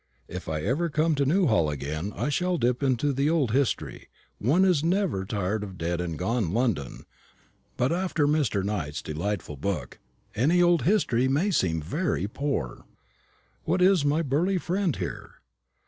"If ever I come to Newhall again, I shall dip into the old history. One is never tired of dead and gone London. But after Mr. Knight's delightful book any old history must seem very poor. What is my burly friend here?"